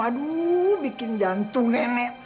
aduh bikin jantung nenek